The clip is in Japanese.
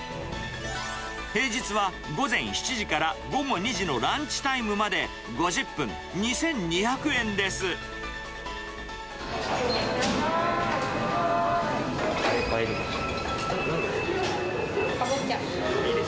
平日は午前７時から午後２時のランチタイムまで、５０分２２００やばーい。